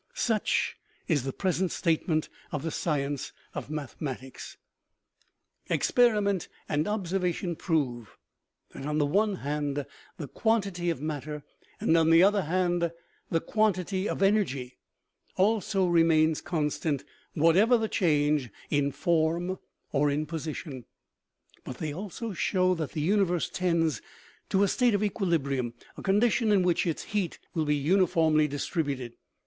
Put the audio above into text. Such is the present statement of the science of mathe matics. 278 OMEGA. Experiment and observation prove that on the one hand the quantity of matter, and on the other hand the quantity of energy also, remains constant, whatever the change in form or in position ; but they also show that the universe tends to a state of equilibrium, a condition in which its heat will be uniformly distributed.